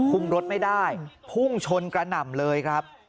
รถไม่ได้พุ่งชนกระหน่ำเลยครับ